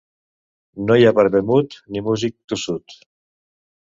No hi ha barber mut, ni músic tossut.